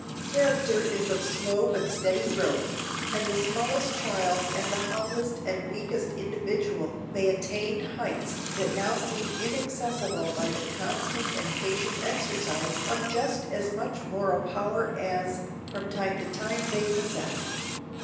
Character is of slow but steady growth, and the smallest child and the humblest and weakest individual may attain heights that now seem inaccessible by the constant and patient exercise of just as much moral power as, from time to time, they possess.